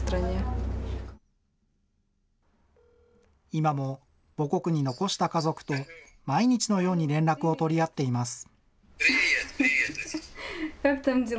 今も母国に残した家族と毎日のように連絡を取り合っています。